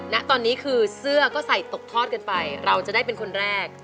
ณตอนนี้คือเสื้อก็ใส่ตกทอดกันไปเราจะได้เป็นคนแรก